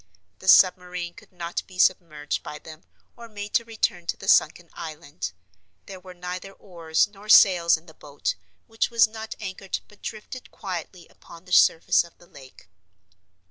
The submarine could not be submerged by them or made to return to the sunken island. There were neither oars nor sails in the boat, which was not anchored but drifted quietly upon the surface of the lake.